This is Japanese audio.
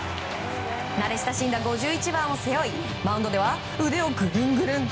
慣れ親しんだ５１番を背負いマウンドでは腕をグルングルン。